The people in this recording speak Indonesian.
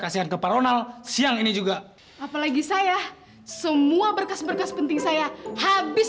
kasihan kepada ronald siang ini juga apalagi saya semua berkas berkas penting saya habis